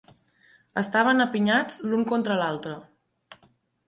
Estaven apinyats l'un contra l'altre.